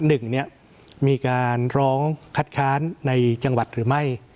หนึ่งเนี่ยมีการร้องคัดค้านในจังหวัดหรือไม่